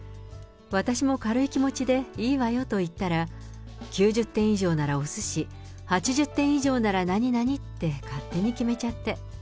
私も軽い気持ちで、いいわよと言ったら、９０点以上ならおすし、８０点以上なら何々って勝手に決めちゃって。